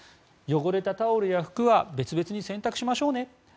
汚れたタオルや服は別々に洗濯しましょうね。